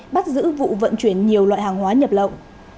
bắt giữ vụ vận chuyển nhiều loại hàng hóa nhập lậu